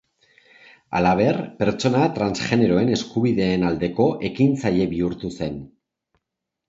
Halaber, pertsona transgeneroen eskubideen aldeko ekintzaile bihurtu zen.